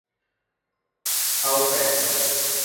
Alpestre